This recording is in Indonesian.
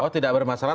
oh tidak bermasalah